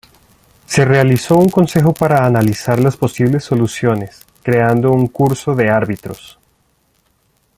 Se realizó un consejo para analizar las posibles soluciones, creando un curso de árbitros.